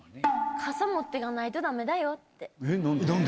傘持ってかないとだめだよっなんで？